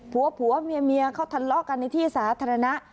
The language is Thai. ผัวผัวเมียเขาทะเลาะกันในที่สาธารณะ